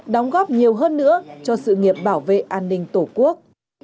đóng góp nhiều hơn nữa cho sự nghiệp bảo vệ an ninh tổ quốc